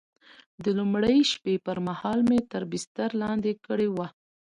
د لومړۍ شپې پر مهال مې تر بستر لاندې کړې وه.